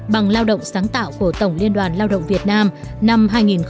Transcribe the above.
bằng lao động sáng tạo của tổng liên đoàn lao động việt nam năm hai nghìn một mươi ba